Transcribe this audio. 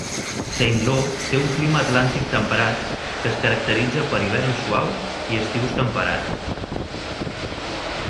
Saint-Lô té un clima atlàntic temperat que es caracteritza per hiverns suaus i estius temperats.